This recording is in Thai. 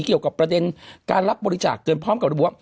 เกี่ยวกับประเด็นการรับบริจาคเตือนพร้อมกับระบุว่า